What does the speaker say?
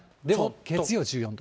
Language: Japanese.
月曜１４度。